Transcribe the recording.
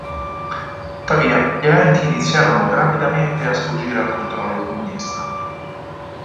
Tuttavia gli eventi iniziarono rapidamente a sfuggire al controllo comunista.